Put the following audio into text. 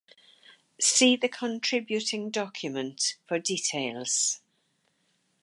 See the contributing document for details.